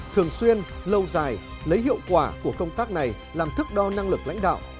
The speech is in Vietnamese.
thường xuyên lâu dài lấy hiệu quả của công tác này làm thức đo năng lực lãnh đạo